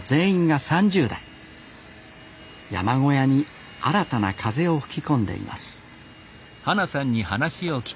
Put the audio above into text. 山小屋に新たな風を吹き込んでいます